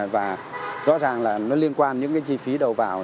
và rõ ràng là nó liên quan những cái chi phí đầu vào